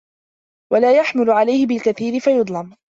وَلَا يُحْمَلَ عَلَيْهِ بِالْكَثِيرِ فَيُظْلَمُ